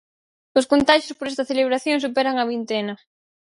Os contaxios por esta celebración superan a vintena.